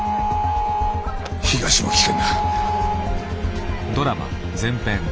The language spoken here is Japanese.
東も危険だ。